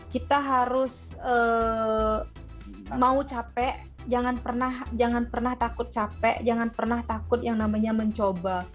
kita harus mau capek jangan pernah takut capek jangan pernah takut yang namanya mencoba